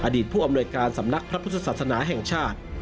ผู้อำนวยการสำนักพระพุทธศาสนาแห่งชาติ